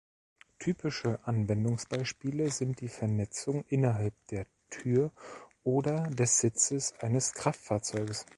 Typische Anwendungsbeispiele sind die Vernetzung innerhalb der Tür oder des Sitzes eines Kraftfahrzeugs.